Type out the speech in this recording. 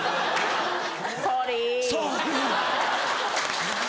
ソーリー。